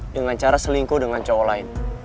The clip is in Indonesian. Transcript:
dengan cara selingkuh dengan cowok lain